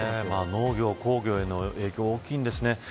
農業、工業への影響大きいんですね。